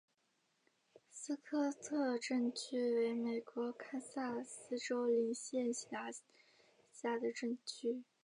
斯科特镇区为美国堪萨斯州林县辖下的镇区。